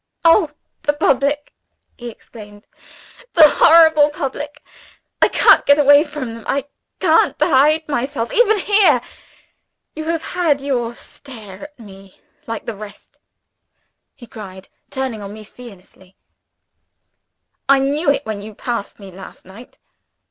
"Oh, the public!" he exclaimed; "the horrible public! I can't get away from them I can't hide myself, even here. You have had your stare at me, like the rest," he cried, turning on me fiercely. "I knew it when you passed me last night."